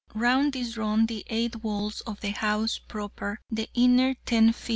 Round this run the eight walls of the house proper, the inner 10 ft.